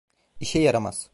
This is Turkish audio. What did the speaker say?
İşe yaramaz.